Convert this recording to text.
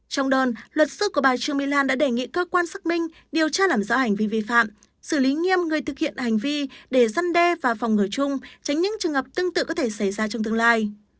trong đơn luật sư của bà trương mỹ lan đã đề nghị cơ quan xác minh điều tra làm rõ hành vi vi phạm xử lý nghiêm người thực hiện hành vi để răn đe và phòng ngừa chung tránh những trường hợp tương tự có thể xảy ra trong tương lai